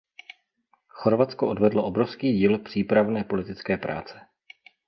Chorvatsko odvedlo obrovský díl přípravné politické práce.